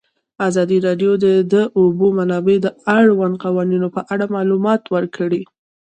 ازادي راډیو د د اوبو منابع د اړونده قوانینو په اړه معلومات ورکړي.